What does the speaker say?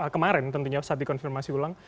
kemarin tentunya saat dikonfirmasi ulang